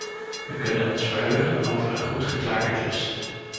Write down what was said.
We kunnen ons verheugen over een goed geklaarde klus.